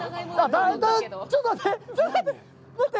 ちょっと待って！